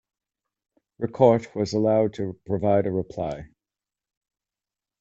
Ricaurte was allowed to provide a reply.